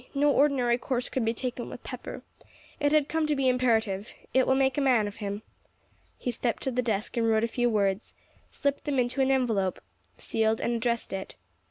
No ordinary course could be taken with Pepper. It had come to be imperative. It will make a man of him." He stepped to the desk and wrote a few words, slipped them into an envelope, sealed and addressed it.